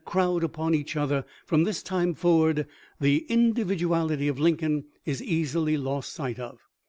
crowd upon each other from this time forward the individuality of Lincoln is easily lost sight of.